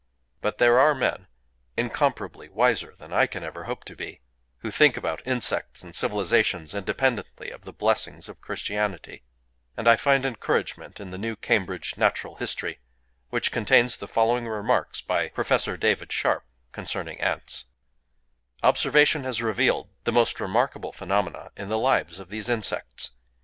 But there are men, incomparably wiser than I can ever hope to be, who think about insects and civilizations independently of the blessings of Christianity; and I find encouragement in the new Cambridge Natural History, which contains the following remarks by Professor David Sharp, concerning ants:— "Observation has revealed the most remarkable phenomena in the lives of these insects.